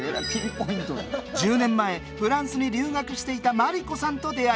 １０年前フランスに留学していた麻利子さんと出会い